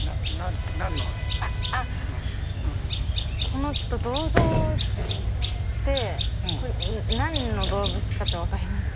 この銅像って何の動物か分かります？